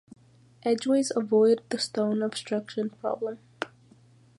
Edgeways avoid the stone obstruction problem.